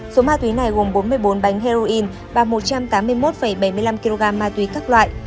số ma túy này gồm bốn mươi bốn bánh heroin và một trăm tám mươi một bảy mươi năm kg ma túy các loại